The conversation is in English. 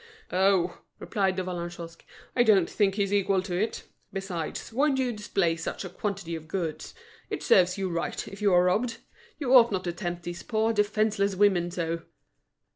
"Oh!" replied De Vallagnosc, "I don't think he's equal to it. Besides, why do you display such a quantity of goods? It serves you right, if you are robbed. You ought not to tempt these poor, defenceless women so."